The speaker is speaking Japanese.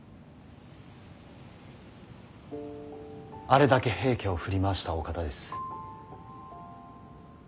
あれだけ平家を振り回したお方です。